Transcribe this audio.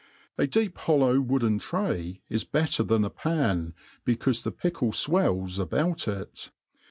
A deep hollow wooden tray is better than a p^n^ becaufe the pickle fwells about it.